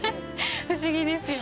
不思議ですよね。